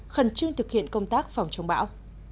khẩn trương thực hiện công tác phòng chống bão